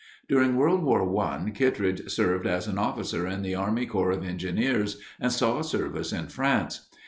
During World War I, Kittredge served as an officer in the Army Corps of Engineers and saw service in France.